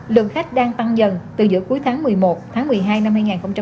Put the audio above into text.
lượng khách đang tăng dần từ giữa cuối tháng một mươi một một mươi hai năm hai nghìn một mươi chín